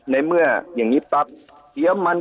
ในเมื่ออย่างนี้ปั๊บเดี๋ยวมัน